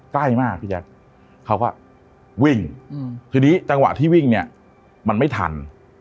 ใกล้มากพี่แจ๊คเขาก็วิ่งทีนี้จังหวะที่วิ่งเนี่ยมันไม่ทัน